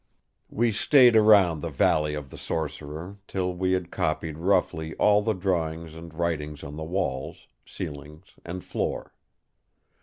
"We stayed around the Valley of the Sorcerer, till we had copied roughly all the drawings and writings on the walls, ceiling and floor.